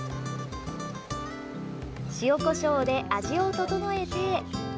塩、こしょうで味を調えて。